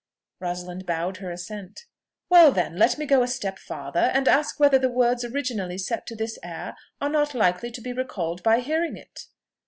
Rosalind bowed her assent. "Well, then, let me go a step farther, and ask whether the words originally set to this air are not likely to be recalled by hearing it?"